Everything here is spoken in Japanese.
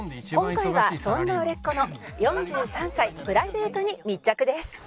「今回はそんな売れっ子の４３才プライベートに密着です」